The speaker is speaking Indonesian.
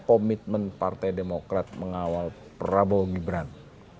komitmen partai demokrat mengawal prabowo gibran